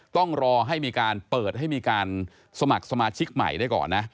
ต้องรอให้มีการเปิดให้มีการสมัครสมาชิกใหม่ได้ก่อนนะ